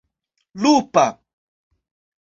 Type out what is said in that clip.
lupa